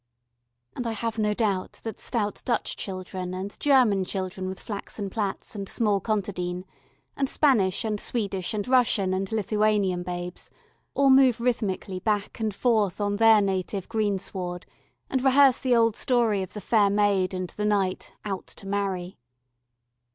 And I have no doubt that stout Dutch children and German children with flaxen plaits, and small contadine, and Spanish and Swedish and Russian and Lithuanian babes all move rhythmically back and forth on their native greensward and rehearse the old story of the fair maid and the Knight "out to marry."